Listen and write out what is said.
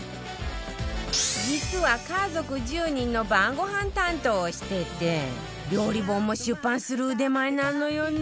実は家族１０人の晩ご飯担当をしてて料理本も出版する腕前なのよね